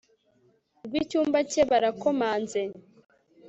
rwicyumba cye barakomanze